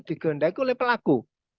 digendaki oleh pelaku